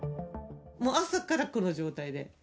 もう朝からこの状態で。